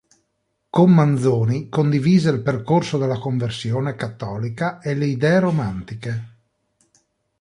Con Manzoni condivise il percorso della conversione cattolica e le idee romantiche.